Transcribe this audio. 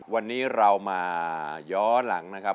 วันนี้เรามาย้อนหลังนะครับ